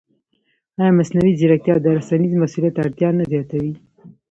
ایا مصنوعي ځیرکتیا د رسنیز مسوولیت اړتیا نه زیاتوي؟